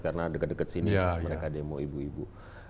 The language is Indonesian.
karena dekat dekat sini mereka demo ibu ibu